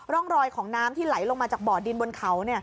ร่องรอยของน้ำที่ไหลลงมาจากบ่อดินบนเขา